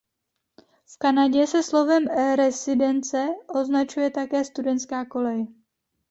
V Kanadě se slovem residence označuje také studentská kolej.